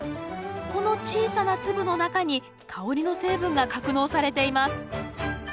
この小さな粒の中に香りの成分が格納されています